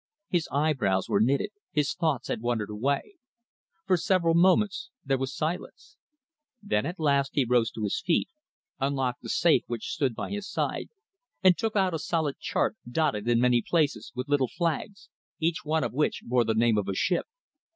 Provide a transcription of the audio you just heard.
His eyebrows were knitted, his thoughts had wandered away. For several moments there was silence. Then at last he rose to his feet, unlocked the safe which stood by his side, and took out a solid chart dotted in many places with little flags, each one of which bore the name of a ship.